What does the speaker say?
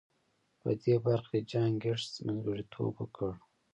په دې برخه کې جان ګيټس منځګړيتوب وکړ.